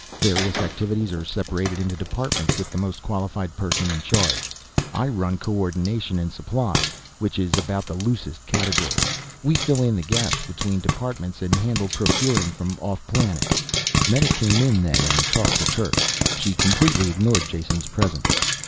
Various activities are separated into departments with the most qualified person in charge. I run Co ordination and Supply, which is about the loosest category. We fill in the gaps between departments and handle procuring from off planet." Meta came in then and talked to Kerk. She completely ignored Jason's presence.